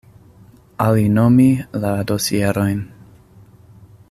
Alinomi la dosierojn.